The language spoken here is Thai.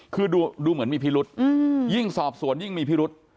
คือดูเหมือนมีพิรุษยิ่งสอบสวนยิ่งมีพิรุษ